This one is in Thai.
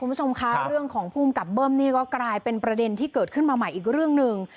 คุณผู้ชมคะเรื่องของภูมิกับเบิ้มนี่ก็กลายเป็นประเด็นที่เกิดขึ้นมาใหม่อีกเรื่องหนึ่ง